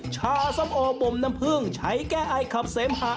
ชาส้มโอบมน้ำผึ้งใช้แก้ไอขับเสมหะ